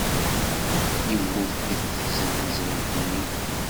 Yemmut deg tzenzelt-nni.